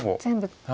全部。